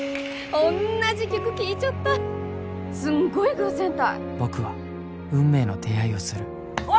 おんなじ曲聴いちょったすんごい偶然たい僕は運命の出会いをするおい